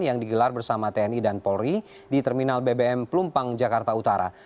yang digelar bersama tni dan polri di terminal bbm pelumpang jakarta utara